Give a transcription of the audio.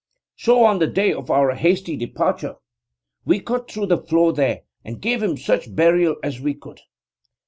So, on the day of our hasty departure, we cut through the floor there, and gave him such burial as we could.